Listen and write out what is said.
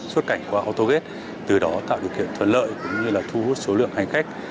xuất cảnh qua autogate từ đó tạo điều kiện thuận lợi cũng như là thu hút số lượng hành khách